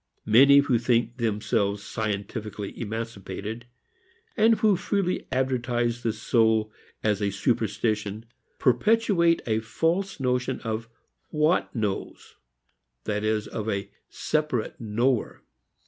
Many who think themselves scientifically emancipated and who freely advertise the soul for a superstition, perpetuate a false notion of what knows, that is, of a separate knower.